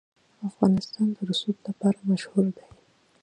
افغانستان د رسوب لپاره مشهور دی.